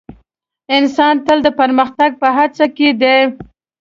انسان تل د پرمختګ په هڅه کې دی.